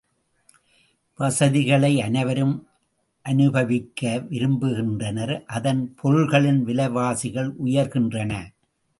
வசதிகளை அனைவரும் அனுபவிக்க விரும்புகின்றனர் அதன் பொருள்களின் விலைவாசிகள் உயர்கின்றன.